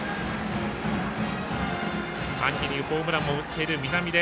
秋にホームランを打っている南出。